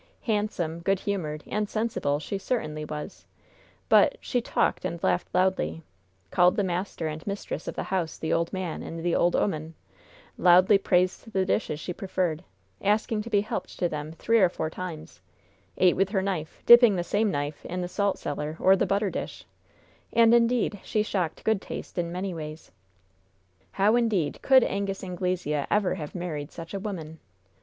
Handsome, good humored and sensible she certainly was; but she talked and laughed loudly, called the master and mistress of the house the old man and the old 'oman; loudly praised the dishes she preferred, asking to be helped to them three or four times; ate with her knife, dipping the same knife into the saltcellar or the butter dish; and, indeed, she shocked good taste in many ways. How, indeed, could Angus Anglesea ever have married such a woman?